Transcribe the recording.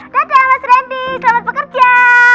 dadah mas rendy selamat bekerja